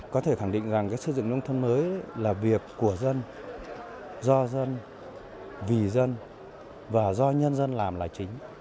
có thể khẳng định rằng xây dựng nông thôn mới là việc của dân do dân vì dân và do nhân dân làm là chính